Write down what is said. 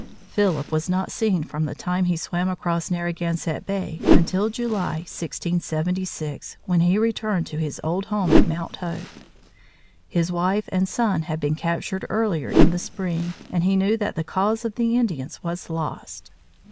Philip was not seen from the time he swam across Narragansett Bay until in July, 1676, when he returned to his old home at Mount Hope. His wife and son had been captured earlier in the spring, and he knew that the cause of the Indians was lost.